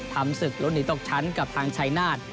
ทำศึกล้นหนีตกชั้นกับทางชายนาฏ